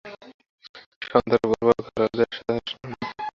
সন্ধ্যার পর ঘরে আলো দিয়া গেল, কিন্তু, আশা আসিল না।